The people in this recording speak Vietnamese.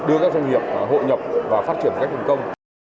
đưa các doanh nghiệp hội nhập và phát triển cách hành công